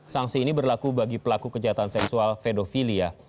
sanksi ini berlaku bagi pelaku kejahatan seksual pedofilia